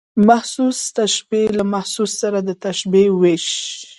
محسوس تشبیه له محسوس سره د تشبېه وېش.